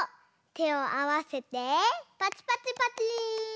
てをあわせてパチパチパチー！